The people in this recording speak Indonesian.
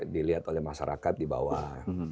dilihat oleh masyarakat di bawah